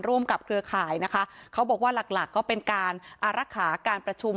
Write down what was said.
ร่วมกับเครือข่ายนะคะเขาบอกว่าหลักหลักก็เป็นการอารักษาการประชุม